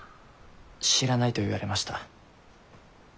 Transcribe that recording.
知らないと言われました。